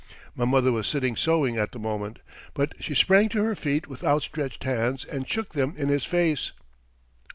My mother was sitting sewing at the moment, but she sprang to her feet with outstretched hands and shook them in his face.